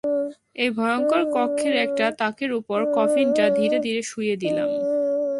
এই ভয়ঙ্কর কক্ষের একটা তাকের উপর কফিনটা ধীরে ধীরে শুইয়ে দিলাম।